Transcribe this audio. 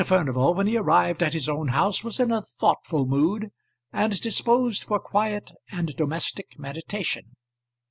Furnival when he arrived at his own house was in a thoughtful mood, and disposed for quiet and domestic meditation.